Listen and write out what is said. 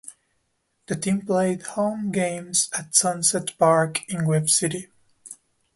The team played home games at Sunset Park in Webb City.